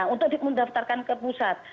untuk mendaftarkan ke pusat